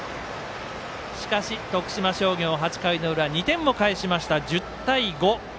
しかし、徳島商業、８回の裏２点を返しました１０対５。